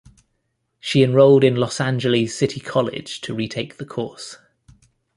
She enrolled in Los Angeles City College to retake the course.